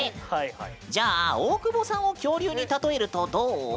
じゃあ大久保さんを恐竜に例えるとどう？